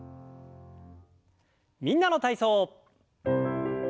「みんなの体操」。